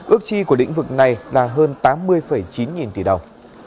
ước chi của lĩnh vực này là hơn tám mươi chín nghìn tỷ đồng